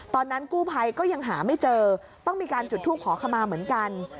ตอนนั้นกู้ภัยก็ยังหาไม่เจอต้องมีการจุดทูปขอขมาเหมือนกัน